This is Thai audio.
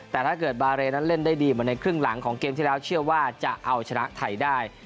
แต่ถ้าเกิดบาเรนั้นเล่นได้ดีเหมือนในครึ่งหลังของเกมที่แล้วเชื่อว่าจะเอาชนะไทยได้